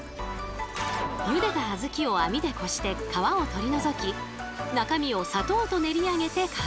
ゆでたあずきを網でこして皮を取り除き中身を砂糖と練り上げて完成。